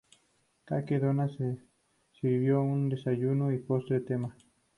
Cake donas se sirvió un desayuno y postre tema.